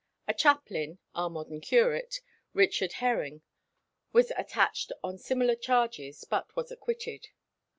"A chaplain," our modern curate, Richard Heryng, was attached on similar charges, but was acquitted.